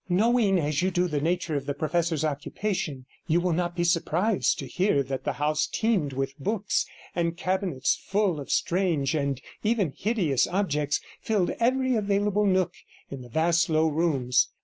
Knowing as you do the nature of the professor's occupation, you will not be surprised to hear that the house teemed with books, and cabinets full of strange, and even hideous, objects filled every available nook in the vast low rooms.